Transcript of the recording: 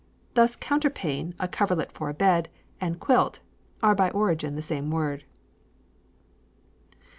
Thus 'counterpane,' a coverlet for a bed, and 'quilt' are by origin the same word."